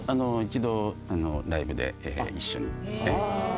一度ライブで一緒に。